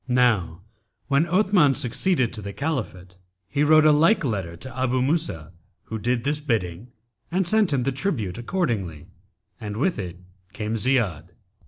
Now when Othman succeeded to the Caliphate, he wrote a like letter to Abu Musa, who did his bidding and sent him the tribute accordingly, and with it came Ziyád.